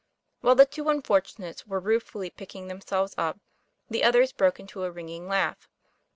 While the two unfortunates were ruefully picking themselves up, the others broke into a ringing laugh.